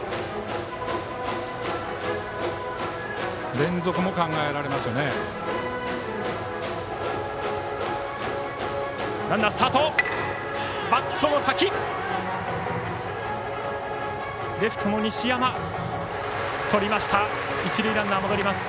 連続も考えられます。